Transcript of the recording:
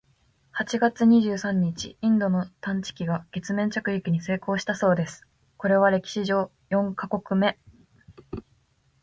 八月二十三日、インドの探査機が月面着陸に成功したそうです！（これは歴史上四カ国目！）